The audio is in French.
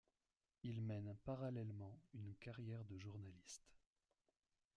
Il mène parallèlement une carrière de journaliste.